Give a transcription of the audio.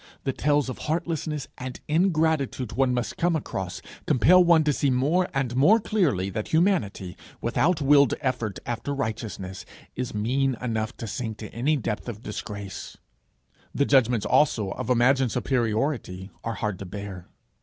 The tales of heartlessness and ingratitude one must come across, compel one to see more and more clearly that humanity, without willed effort after righteousness, is mean enough to sink to any depth of disgrace. The judgments also of imagined superiority are hard to bear.